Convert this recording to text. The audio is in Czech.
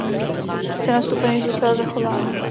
Cena vstupenek zůstala zachována.